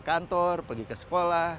kantor pergi ke sekolah